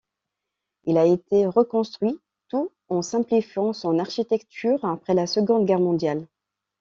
Il a été reconstruit tout en simplifiant son architecture après la seconde Guerre Mondiale.